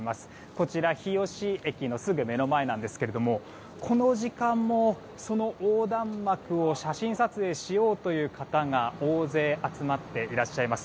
こちら日吉駅のすぐ目の前なんですがこの時間も、その横断幕を写真撮影しようという方が大勢集まっていらっしゃいます。